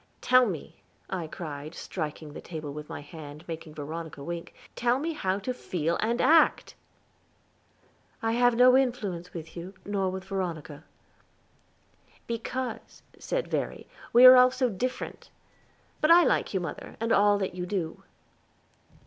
"Tell me," I cried, striking the table with my hand, making Veronica wink, "tell me how to feel and act." "I have no influence with you, nor with Veronica." "Because," said Verry, "we are all so different; but I like you, mother, and all that you do."